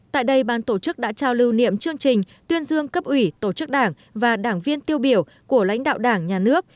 tại đây ban tổ chức đã trao lưu niệm chương trình tuyên dương cấp ủy tổ chức đảng và đảng viên tiêu biểu của lãnh đạo đảng nhà nước